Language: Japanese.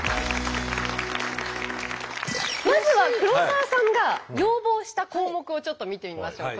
まずは黒沢さんが要望した項目をちょっと見てみましょう。